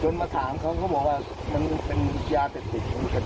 จนมาถามเค้าเค้าบอกว่ามันเป็นยาเตศติฯ